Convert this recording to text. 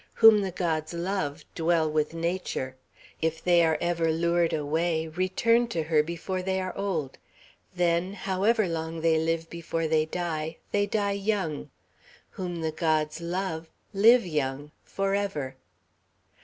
Whom the gods love, dwell with nature; if they are ever lured away, return to her before they are old. Then, however long they live before they die, they die young. Whom the gods love, live young forever.